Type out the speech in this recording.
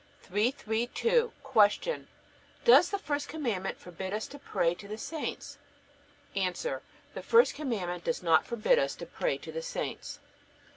332. Q. Does the first Commandment forbid us to pray to the saints? A. The first Commandment does not forbid us to pray to the saints.